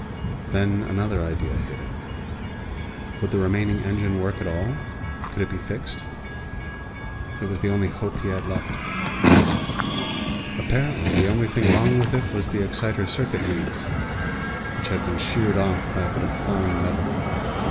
Then another idea hit him. Would the remaining engine work at all? Could it be fixed? It was the only hope he had left. Apparently, the only thing wrong with it was the exciter circuit leads, which had been sheared off by a bit of flying metal.